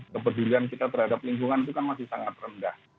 kepedulian kita terhadap lingkungan itu kan masih sangat rendah